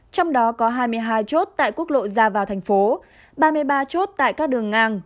trong đó có hai mươi hai chốt tại quốc lộ ra vào thành phố ba mươi ba chốt tại các đường ngang